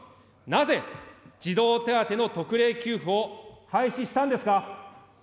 なぜ児童手当の特例給付を廃止したんですか。